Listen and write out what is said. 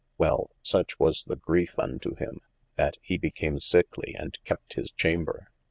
Well, such was the griefe unto him, that he became sickly and kept his chamber.